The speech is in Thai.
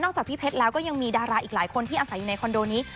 จากพี่เพชรแล้วก็ยังมีดาราอีกหลายคนที่อาศัยอยู่ในคอนโดนี้